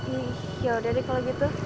ih yaudah deh kalau gitu